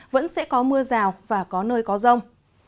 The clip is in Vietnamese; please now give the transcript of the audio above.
vẫn sẽ có mưa rào và có nơi có rông